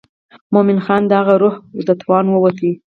مومن خان د هغې روح و د توانه ووته.